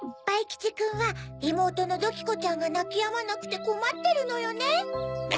バイきちくんはいもうとのドキコちゃんがなきやまなくてこまってるのよね。